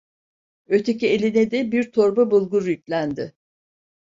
Öteki eline de bir torba bulgur yüklendi.